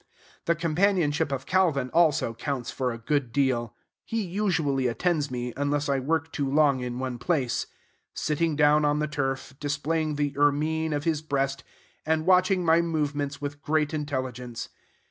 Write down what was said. The companionship of Calvin, also, counts for a good deal. He usually attends me, unless I work too long in one place; sitting down on the turf, displaying the ermine of his breast, and watching my movements with great intelligence.